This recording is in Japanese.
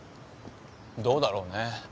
どうだろうね。